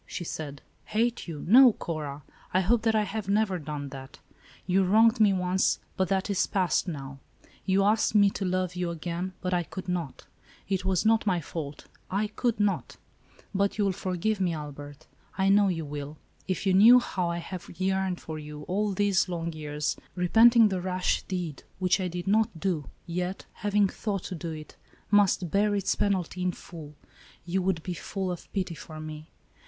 she said. "Hate you; no, Cora. I hope that I have never done that. You wronged me once, but that is passed, now. You asked me to love you again, but I could not. It was not my fault ; I could not." ^" But you will forgive me, Albert, I know you will. If you knew how I have yearned for you, all these long years, repenting the rash deed, which I did not do, yet, having thought to do it, must bear its penalty in full, you would be full of pity for me.